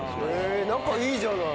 仲いいじゃない。